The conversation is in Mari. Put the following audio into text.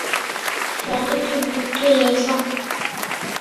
— Содыки вӱд кӱлешак.